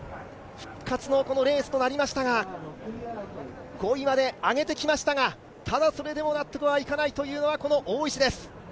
復活のレースとなりましたが、５位まで上げてきましたが、ただそれでも納得いかないというのが、この大石です。